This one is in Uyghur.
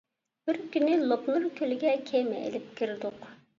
بىر كۈنى لوپنور كۆلىگە كېمە ئېلىپ كىردۇق.